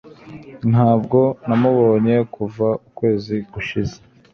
Ntabwo namubonye kuva ukwezi gushize